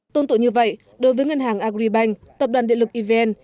tôn tự như vậy đối với ngân hàng agribank tập đoàn địa lực evn